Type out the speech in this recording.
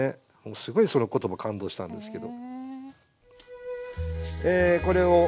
すごいその言葉感動したんですけど。